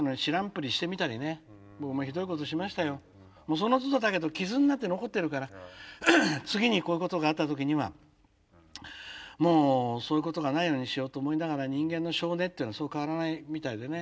そのつどだけど傷になって残ってるから次にこういうことがあった時にはもうそういうことがないようにしようと思いながら人間の性根っていうのはそう変わらないみたいでね